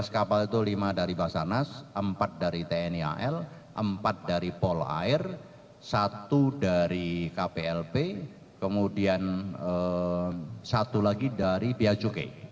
lima belas kapal itu lima dari basarnas empat dari tni al empat dari polair satu dari kplp kemudian satu lagi dari piacukai